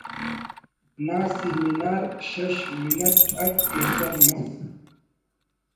نا سیمینار شش minute it ایسر مس